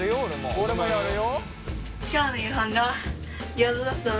俺もやるよ。